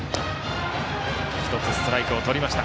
１つ、ストライクをとりました。